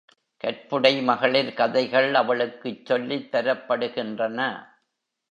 கற்புடை மகளிர் கதைகள் அவளுக்குச் சொல்லித் தரப்படுகின்றன.